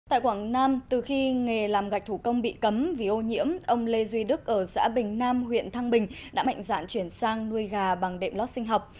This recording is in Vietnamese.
tại quảng nam từ khi nghề làm gạch thủ công bị cấm vì ô nhiễm ông lê duy đức ở xã bình nam huyện thăng bình đã mạnh dạn chuyển sang nuôi gà bằng đệm lót sinh học